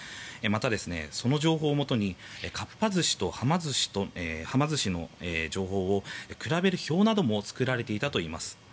また、その情報をもとにかっぱ寿司とはま寿司の情報を比べる表なども作られていたといいます。